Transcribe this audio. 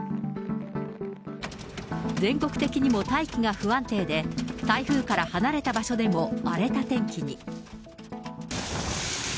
全国的にも大気が不安定で、台風から離れた場所でも荒れた天気に。